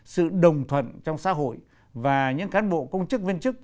sự đồng thuận trong xã hội và những cán bộ công chức viên chức